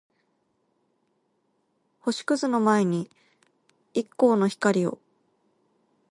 星屑の前に一閃の光を